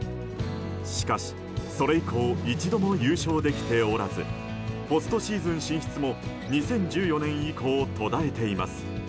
しかし、それ以降一度も優勝できておらずポストシーズン進出も２０１４年以降途絶えています。